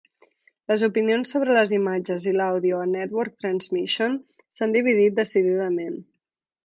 Les opinions sobre les imatges i l'àudio a Network Transmission s'han dividit decididament.